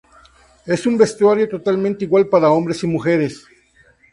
Es un vestuario totalmente igual para hombres y mujeres.